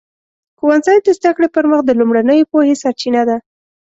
ښوونځی د زده کړې پر مخ د لومړنیو پوهې سرچینه ده.